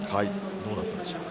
どうだったでしょうか？